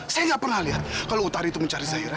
saya tidak pernah lihat kalau utari itu mencari zahira